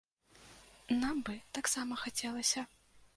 Нам бы таксама хацелася.